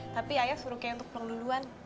tapi ayah suruh kayak untuk pulang duluan